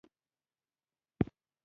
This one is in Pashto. خوست کې کرکټ ډېر پرمختګ کړی دی.